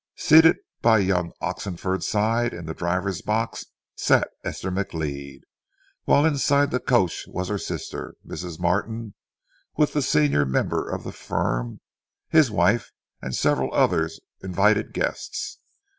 Seated by young Oxenford's side in the driver's box sat Esther McLeod, while inside the coach was her sister, Mrs. Martin, with the senior member of the firm, his wife, and several other invited guests.